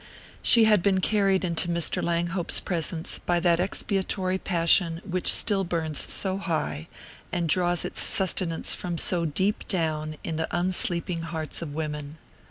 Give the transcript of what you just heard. She had been carried into Mr. Langhope's presence by that expiatory passion which still burns so high, and draws its sustenance from so deep down, in the unsleeping hearts of women.